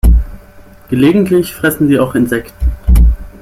Gelegentlich fressen sie auch Insekten.